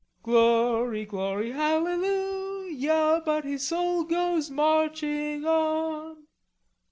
Glory, glory, hallelujah! But his soul goes marching on."